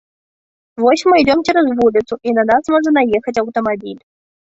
Вось мы ідзём цераз вуліцу і на нас можа наехаць аўтамабіль.